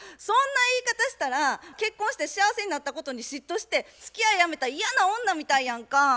そんな言い方したら結婚して幸せになったことに嫉妬してつきあいやめた嫌な女みたいやんか。